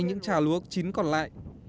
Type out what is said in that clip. những trà lúa chín còn lại